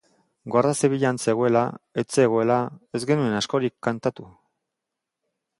Guardia Zibila han zegoela, ez zegoela... ez genuen askorik kantatu.